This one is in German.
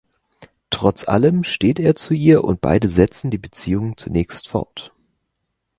Trotz allem steht er zu ihr und beide setzen die Beziehung zunächst fort.